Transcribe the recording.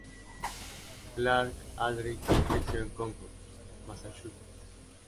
Clark Aldrich creció en Concord, Massachusetts.